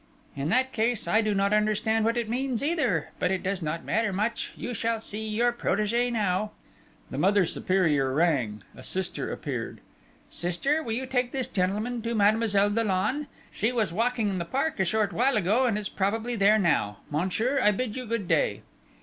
"In that case, I do not understand what it means, either! But it does not matter much: you shall see your protégée now." The Mother Superior rang: a sister appeared. "Sister, will you take this gentleman to Mademoiselle Dollon! She was walking in the park a short while ago, and is probably there now.... Monsieur, I bid you good day."